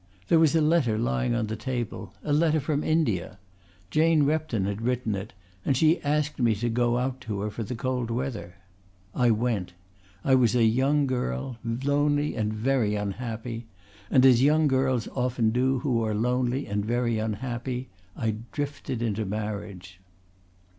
There was a letter lying on the table, a letter from India. Jane Repton had written it and she asked me to go out to her for the cold weather. I went. I was a young girl, lonely and very unhappy, and as young girls often do who are lonely and very unhappy I drifted into marriage."